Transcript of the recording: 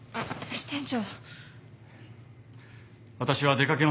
支店長！